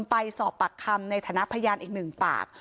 ไปสอบปากคำในฐานะพยานอีกหนึ่งปาก